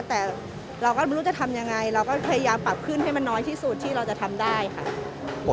แต่เราก็ไม่รู้จะทำยังไงเราก็พยายามปรับขึ้นให้มันน้อยที่สุดที่เราจะทำได้ค่ะ